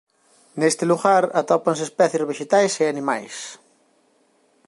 Neste lugar atópanse especies vexetais e animais.